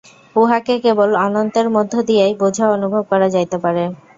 উহাকে কেবল অনন্তের মধ্য দিয়াই বুঝা ও অনুভব করা যাইতে পারে।